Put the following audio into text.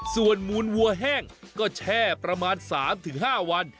ส่วนมูลวัวแห้งก็แช่ประมาณ๓๕วัน